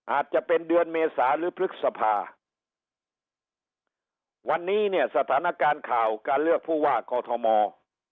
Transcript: อาจจะเป็นเดือนเมษาหรือพฤษภาวันนี้เนี่ยสถานการณ์ข่าวการเลือกผู้ว่ากอทม